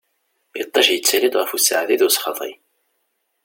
Iṭij yettali-d ɣef useɛdi d usexḍi.